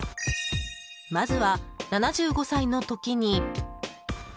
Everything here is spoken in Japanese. まずは７５歳の時に。